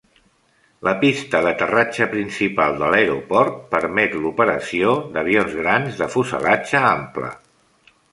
La pista d'aterratge principal de l'aeroport permet l'operació d'avions grans de fuselatge ample.